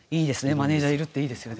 マネージャーいるっていいですよね。